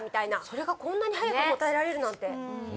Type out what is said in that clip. それがこんなに早く答えられるなんて。